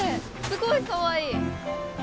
すごいかわいい